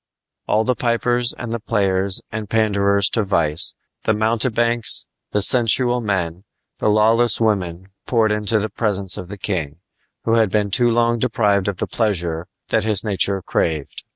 All the pipers and the players and panderers to vice, the mountebanks, the sensual men, and the lawless women poured into the presence of the king, who had been too long deprived of the pleasure that his nature craved.